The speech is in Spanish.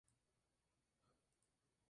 Guerra de las salinas.